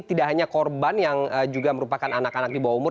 tidak hanya korban yang juga merupakan anak anak di bawah umur